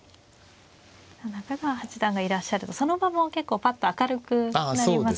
中川八段がいらっしゃるとその場も結構パッと明るくなりますよね。